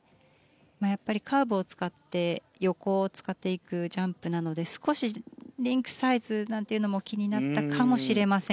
やっぱりカーブを使って横を使っていくジャンプなので少しリンクサイズなんていうのも気になったかもしれません。